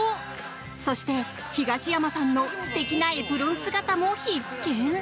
そして、東山さんの素敵なエプロン姿も必見。